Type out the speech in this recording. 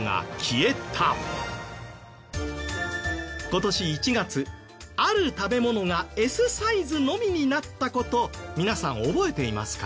今年１月ある食べ物がＳサイズのみになった事皆さん覚えていますか？